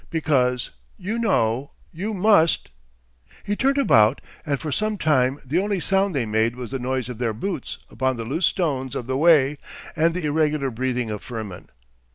Because, you know, you must....' He turned about and for some time the only sound they made was the noise of their boots upon the loose stones of the way and the irregular breathing of Firmin.